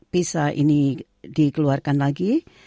pisa ini dikeluarkan lagi